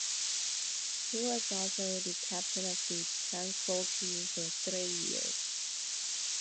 He was also the captain of the Transvaal team for three years.